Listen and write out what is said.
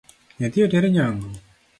Nyathi oter nyangu?